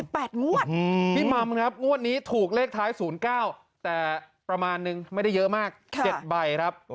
พี่มัมครับงวดนี้ถูกเลขท้าย๐๙แต่ประมาณนึงไม่ได้เยอะมาก๗ใบครับ